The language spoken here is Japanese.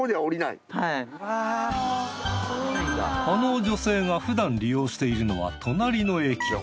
あの女性がふだん利用しているのは隣の駅。